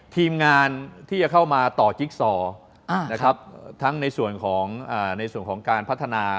ทีมงานที่จะเข้ามาต่อกิ๊กซอทั้งในส่วนของการพัฒนา